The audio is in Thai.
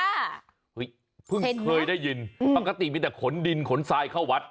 เฮ้ยเพิ่งเคยได้ยินปกติมีแต่ขนดินขนทรายเข้าวัด